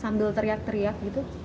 sambil teriak teriak gitu